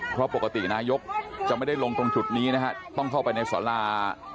เพราะปกตินายกจะไม่ได้ลงตรงจุดนี้นะฮะต้องเข้าไปในสารา